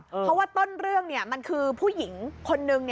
เพราะว่าต้นเรื่องมันคือผู้หญิงคนนึง